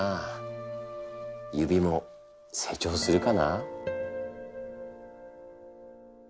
指も成長するかな？